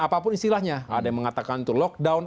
apapun istilahnya ada yang mengatakan itu lockdown